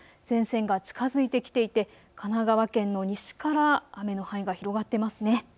前線が近づいてきていて神奈川県の西から雨の範囲が広がっています。